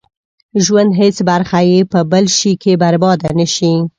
ژوند هېڅ برخه يې په بل شي کې برباده نه شي.